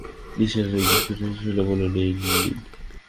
নিসার আলি দীর্ঘনিঃশ্বাস ফেলে বললেন, এই নিন।